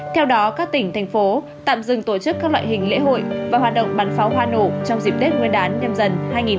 theo đó các tỉnh thành phố tạm dừng tổ chức các loại hình lễ hội và hoạt động bán pháo hoa nổ trong dịp tết nguyên đán nhâm dần hai nghìn hai mươi bốn